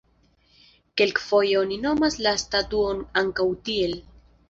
Kelkfoje oni nomas la statuon ankaŭ tiel.